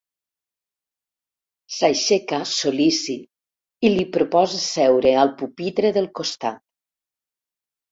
S'aixeca, sol.lícit, i li proposa seure al pupitre del costat.